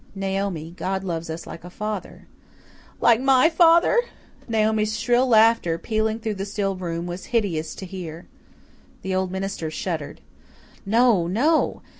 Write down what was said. "Naomi, God loves us like a father." "Like MY father?" Naomi's shrill laughter, pealing through the still room, was hideous to hear. The old minister shuddered. "No no!